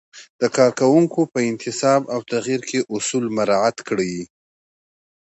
د کارکوونکو په انتصاب او تغیر کې اصول مراعت کړئ.